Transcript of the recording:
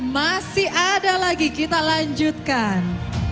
masih ada lagi kita lanjutkan